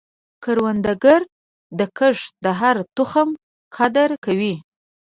کروندګر د کښت د هر تخم قدر کوي